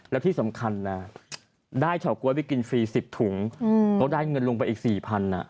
แล้วที่สำคัญนะได้เฉาก๊วยไปกินฟรี๑๐ถุงก็ได้เงินลงไปอีก๔๐๐บาท